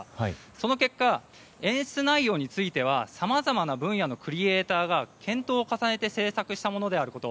その結果、演出内容についてはさまざまな分野のクリエーターが検討を重ねて制作したものであること。